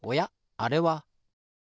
あれは。